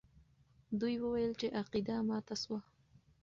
دوی وویل چې عقیده ماته سوه.